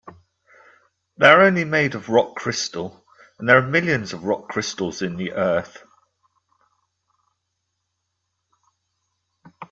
They're only made of rock crystal, and there are millions of rock crystals in the earth.